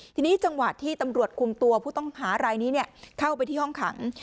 ทีนี้จังหวะที่ตำรวจคุมตัวผู้ต้องหารายนี้เข้าไปที่ห้องขัง